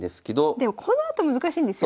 でもこのあと難しいんですよ。